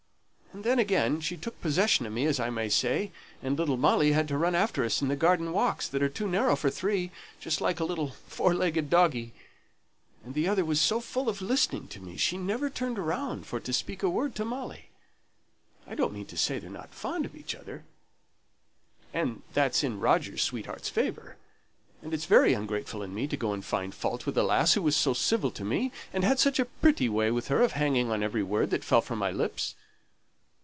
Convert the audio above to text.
And then again she took possession o' me, as I may say, and little Molly had to run after us in the garden walks that are too narrow for three, just like a little four legged doggie; and the other was so full of listening to me, she never turned round for to speak a word to Molly. I don't mean to say they're not fond of each other, and that's in Roger's sweetheart's favour; and it's very ungrateful in me to go and find fault with a lass who was so civil to me, and had such a pretty way with her of hanging on every word that fell from my lips.